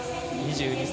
２２歳。